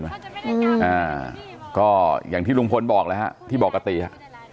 ตาไหลเห็นไหมก็อย่างที่ลุงพลบอกแล้วฮะที่บอกกะตีฮะ